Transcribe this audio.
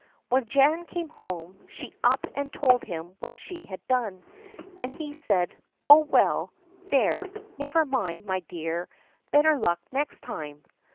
When Jan came home, she up and told him what she had done, and he said: "Oh, well, there, never mind, my dear; better luck next time."